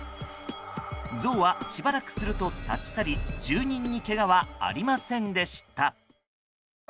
ゾウはしばらくすると立ち去り住人にけがはありませんでした。